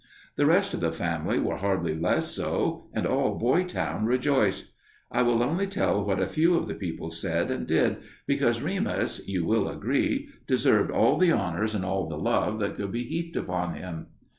The rest of the family were hardly less so, and all Boytown rejoiced. I will only tell what a few of the people said and did, because Remus, you will agree, deserved all the honors and all the love that could be heaped upon him.